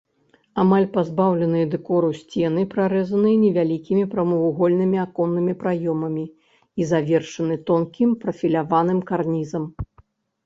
Амаль пазбаўленыя дэкору сцены прарэзаны невялікімі прамавугольнымі аконнымі праёмамі і завершаны тонкім прафіляваным карнізам.